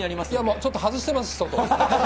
ちょっと外してます、外。